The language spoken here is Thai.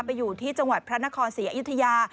ไปอยู่ที่จังหวัดพระนครศรีอยุธยา